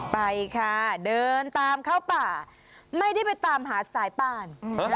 ไปค่ะเดินตามเข้าป่าไม่ได้ไปตามหาสายป่าน